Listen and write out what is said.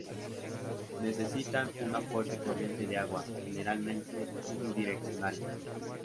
Necesitan una fuerte corriente de agua, generalmente unidireccionales.